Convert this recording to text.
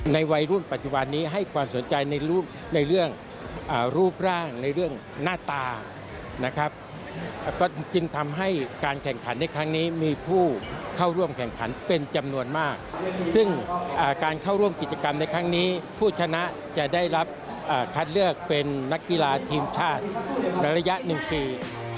วัยรุ่นปัจจุบันนี้ให้ความสนใจในเรื่องรูปร่างในเรื่องหน้าตานะครับก็จึงทำให้การแข่งขันในครั้งนี้มีผู้เข้าร่วมแข่งขันเป็นจำนวนมากซึ่งการเข้าร่วมกิจกรรมในครั้งนี้ผู้ชนะจะได้รับคัดเลือกเป็นนักกีฬาทีมชาติในระยะ๑ปี